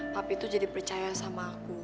papi tuh jadi percaya sama aku